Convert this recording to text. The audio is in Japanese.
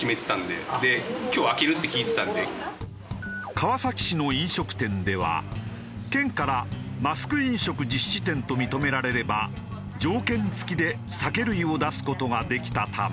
川崎市の飲食店では県からマスク飲食実施店と認められれば条件付きで酒類を出す事ができたため。